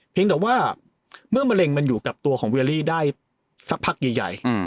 แต่ว่าเมื่อมะเร็งมันอยู่กับตัวของเวียรี่ได้สักพักใหญ่